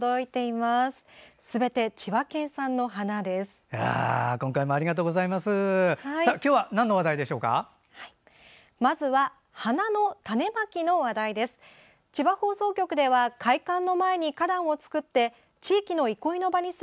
まずは花の種まきの話題です。